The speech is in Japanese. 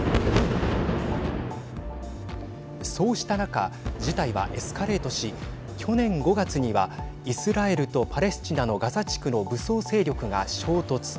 そうした中事態はエスカレートし去年５月にはイスラエルとパレスチナのガザ地区の武装勢力が衝突。